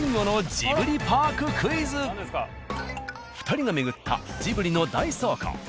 ２人が巡ったジブリの大倉庫。